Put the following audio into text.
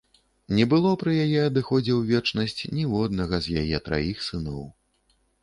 Не было пры яе адыходзе ў вечнасць ніводнага з яе траіх сыноў.